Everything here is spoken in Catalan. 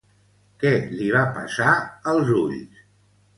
Què li va passar als ulls?